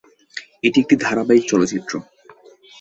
এটি একটি ধারাবাহিক চলচ্চিত্র।